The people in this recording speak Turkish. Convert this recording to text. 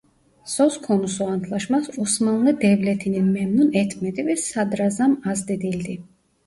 Söz konusu antlaşma Osmanlı Devleti'nin memnun etmedi ve sadrazam azledildi.